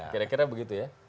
kira kira begitu ya